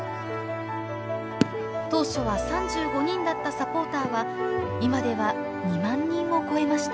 当初は３５人だったサポーターは今では２万人を超えました。